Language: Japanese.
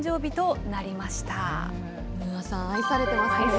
ムーアさん、愛されてますね。